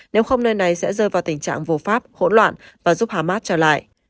nếu không nơi này sẽ rơi vào tình trạng vô pháp hỗn loạn và giúp hamas trở lại